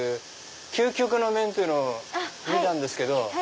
究極の麺というのを見たんですけど。